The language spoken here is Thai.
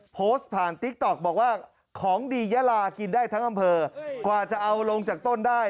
โพสต์ผ่านติ๊กต๊อกบอกว่าของดียาลากินได้ทั้งอำเภอกว่าจะเอาลงจากต้นได้